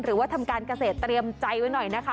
หรือว่าทำการเกษตรเตรียมใจไว้หน่อยนะคะ